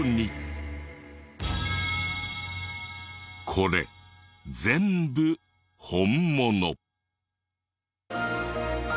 これ全部本物。